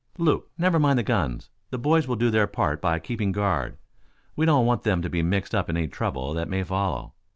"Luke, never mind the guns. The boys will do their part by keeping guard. We don't want them to be mixed up in any trouble that may follow.